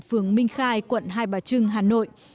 phường minh khai quận hai bà trưng hà nội